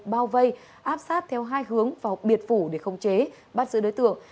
bao vây áp sát theo hai hướng vào biệt phủ để không chế bắt giữ đối tượng